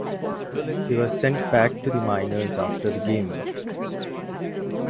He was sent back to the minors after the game.